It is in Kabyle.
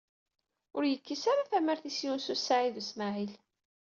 Ur yekkis ara tamart-is Yunes u Saɛid u Smaɛil.